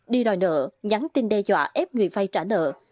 đi đòi nợ nhắn tin đe dọa ép người vay trả nợ